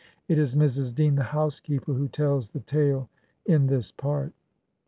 It is Mrs. Dean, the housekeeper, who tells the tale in this part.